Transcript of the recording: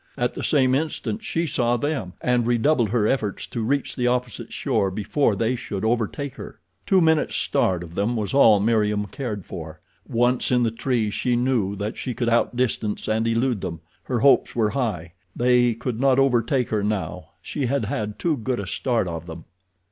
At the same instant she saw them, and redoubled her efforts to reach the opposite shore before they should overtake her. Two minutes' start of them was all Meriem cared for. Once in the trees she knew that she could outdistance and elude them. Her hopes were high—they could not overtake her now—she had had too good a start of them.